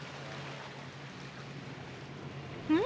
うん？